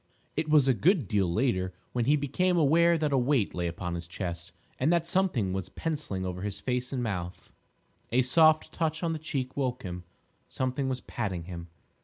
It was a good deal later when he became aware that a weight lay upon his chest, and that something was pencilling over his face and mouth. A soft touch on the cheek woke him. Something was patting him.